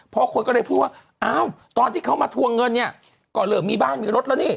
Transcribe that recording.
พอคนก็เลยพูดว่าอ้าวตอนที่เขามาทวงเงินเนี่ยก็เริ่มมีบ้านมีรถแล้วนี่